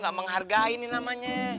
gak menghargai nih namanya